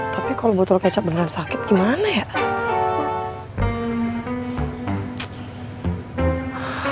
tapi kalau botol kecap dengan sakit gimana ya